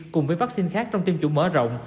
cùng với vaccine khác trong tiêm chủng mở rộng